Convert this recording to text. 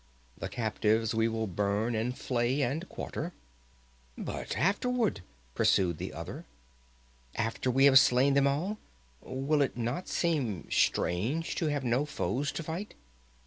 The captives we will burn and flay and quarter." "But afterward?" pursued the other. "After we have slain them all? Will it not seem strange, to have no foes to fight?